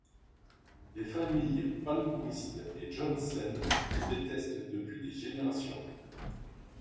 Les familles Palmquist et Johannsen se détestent depuis des générations.